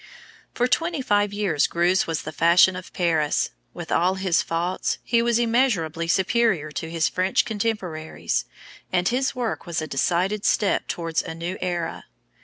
For twenty five years Greuze was the fashion in Paris. With all his faults, he was immeasurably superior to his French contemporaries, and his work was a decided step towards a new era.